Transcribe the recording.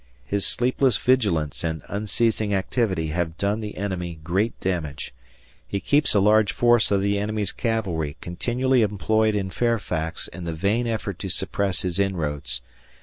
His sleepless vigilance and unceasing activity have done the enemy great damage. He keeps a large force of the enemy's cavalry continually employed in Fairfax in the vain effort to suppress his inroads.